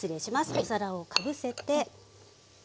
お皿をかぶせて。